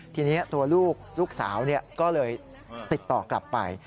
ทีนี้ตัวลูกลูกสาวก็เลยติดต่อกลับไป